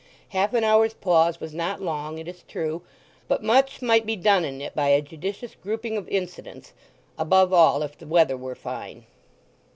Half an hour's pause was not long, it is true; but much might be done in it by a judicious grouping of incidents, above all, if the weather were fine.